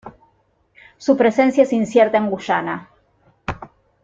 Su presencia es incierta en Guyana.